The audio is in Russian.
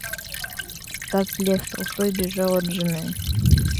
Так, Лев Толстой бежал от жены.